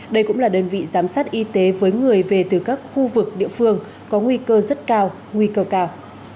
đây cũng là đơn vị giám sát y tế với người về từ các khu vực địa phương có nguy cơ rất cao nguy cơ cao